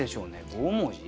５文字？